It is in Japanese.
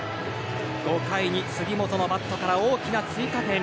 ５回に杉本のバットから大きな追加点。